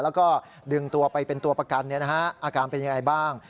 แล้วก็ดึงตัวไปเป็นตัวประกันอาการเป็นยังไงบ้าง